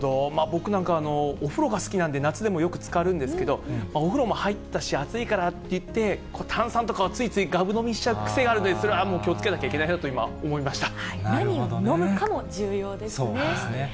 僕なんか、お風呂が好きなんで、夏でもよくつかるんですけど、お風呂も入ったし、暑いからって言って、炭酸とかをついついがぶ飲みしちゃう癖があるんですが、それは気をつけなきゃいけないなと思いました。